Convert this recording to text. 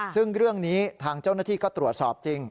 ซึ่งเรื่องนี้ทางเจ้าหน้าที่ก็ตรวจสอบจริง